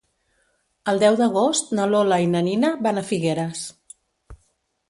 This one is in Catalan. El deu d'agost na Lola i na Nina van a Figueres.